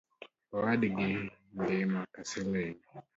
Owadgi ngima ka siling